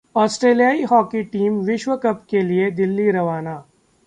ऑस्ट्रेलियाई hockey team विश्व cup के लिये दिल्ली रवाना